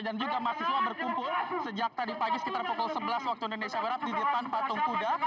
dan juga mahasiswa berkumpul sejak tadi pagi sekitar pukul sebelas waktu indonesia merah di depan patung kuda